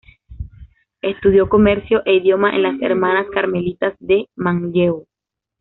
Estudió comercio e idiomas en las Hermanas Carmelitas de Manlleu.